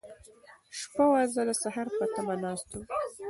شپه وه، زه د سهار په تمه ناست وم.